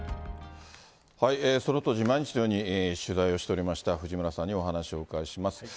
その当時、毎日のように取材をしておりました、藤村さんにお話をお伺いします。